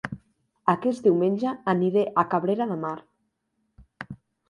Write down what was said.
Aquest diumenge aniré a Cabrera de Mar